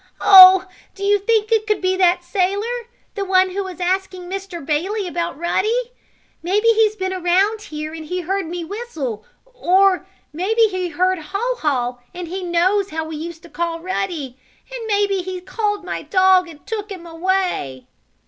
"Oh, do you think it could be that sailor the one who was asking Mr. Bailey about Ruddy? Maybe he's been around here, and he heard me whistle, or maybe he heard Haw Haw, and he knows how we used to call Ruddy. And maybe he called my dog and took him away."